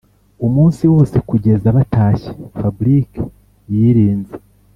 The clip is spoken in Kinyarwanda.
umunsi wose kugeza batashye fabric yirinze